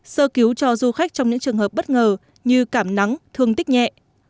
sơ cứu cho du khách trong những trường hợp bất ngờ như cảm nắng thương tích nhẹ